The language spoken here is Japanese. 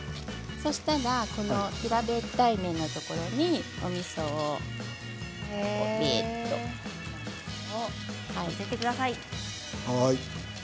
そうしたら平べったい面のところにおみそを載せてください。